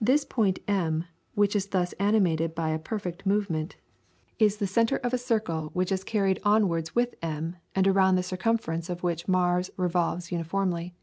This point M, which is thus animated by a perfect movement, is the centre of a circle which is carried onwards with M, and around the circumference of which Mars revolves uniformly.